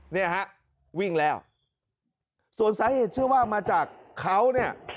เนี่ยฮะวิ่งแล้วส่วนสาเหตุเชื่อว่ามาจากเขาเนี่ย